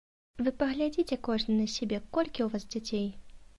Вы паглядзіце кожны на сябе, колькі ў вас дзяцей!